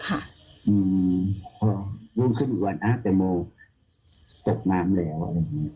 เพราะว่าร่วมขึ้นอีกวันอ้าวแต่โมตกน้ำแล้วอะไรอย่างนี้